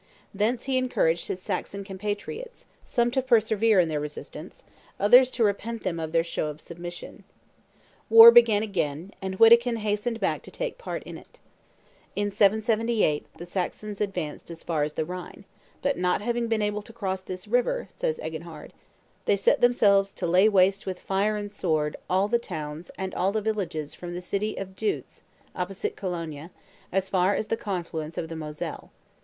Thence he encouraged his Saxon compatriots, some to persevere in their resistance, others to repent them of their show of submission. War began again; and Wittikind hastened back to take part in it. In 778 the Saxons advanced as far as the Rhine; but, "not having been able to cross this river," says Eginhard, "they set themselves to lay waste with fire and sword all the towns and all the villages from the city of Duitz (opposite Cologne) as far as the confluence of the Moselle.